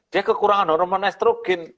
dia kekurangan hormon estrogen